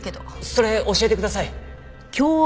それ教えてください！